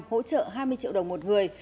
hỗ trợ hai mươi triệu đồng một người